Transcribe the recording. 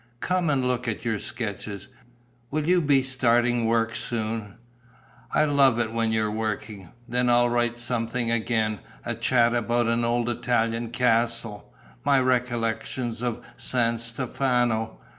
Come and look at your sketches: will you be starting work soon? I love it when you're working. Then I'll write something again: a chat about an old Italian castle. My recollections of San Stefano.